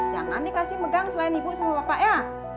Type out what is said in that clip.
yang aneh kasih megang selain ibu sama bapak ya